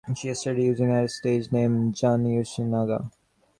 She started using her stage name "Jun Yoshinaga".